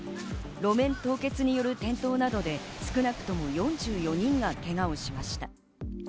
路面凍結による転倒などで少なくとも４４人がけがをしました。